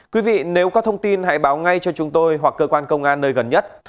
quý vị nếu có thông tin hãy báo ngay cho chúng tôi hoặc cơ quan công an nơi gần nhất